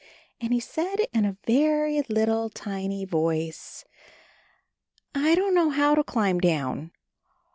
And he said in a very little, tiny voice, "I don't know how to climb down."